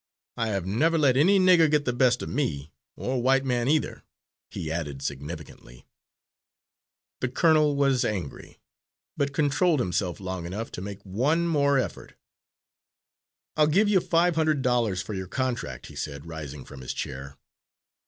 I have never let any nigger get the best of me or white man either," he added significantly. The colonel was angry, but controlled himself long enough to make one more effort. "I'll give you five hundred dollars for your contract," he said rising from his chair.